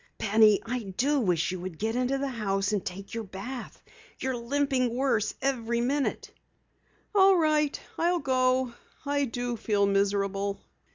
"Penny, I do wish you would get into the house and take your bath. You're limping worse every minute." "All right, I'll go. I do feel miserable."